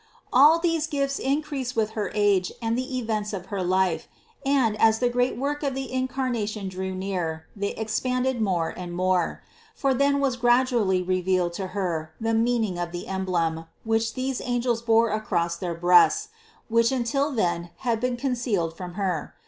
All these gifts increased with her age and with the events of her life and, as the great work of the Incarnation drew near, they expanded more and more ; for then was gradually revealed to Her the mean ing of the emblem, which these angels bore across their breasts, which until then had been concealed from Her.